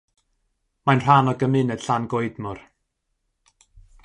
Mae'n rhan o Gymuned Llangoedmor.